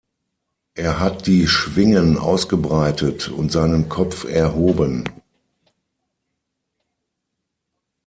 Er hat die Schwingen ausgebreitet und seinen Kopf erhoben.